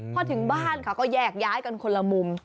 พอถึงบ้านค่ะก็แยกย้ายกันคนละมุม